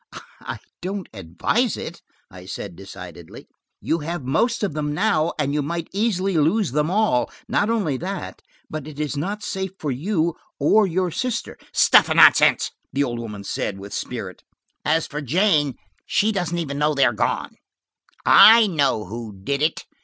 "I don't advise it," I said decidedly. "You have most of them now, and you might easily lose them all; not only that, but it is not safe for you or your sister." "Stuff and nonsense!" the old lady said, with spirit. "As for Jane, she doesn't even know they are gone. I know who did it.